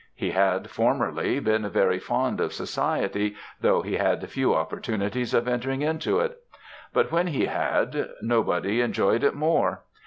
He had, formerly, been very fond of society, though he had few opportunities of entering into it; but when he had, nobody enjoyed it more.